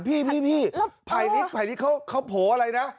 พี่ไผลฤกษ์เขาโผล่อะไรนะ